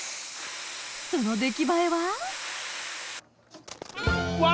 その出来栄えはわ！